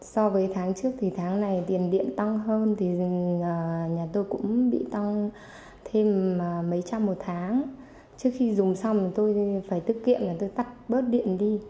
so với tháng trước thì tháng này tiền điện tăng hơn thì nhà tôi cũng bị tăng thêm mấy trăm một tháng trước khi dùng xong tôi phải tiết kiệm là tôi tắt bớt điện đi